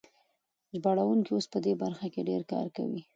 ژباړونکي اوس په دې برخه کې ډېر کار کوي.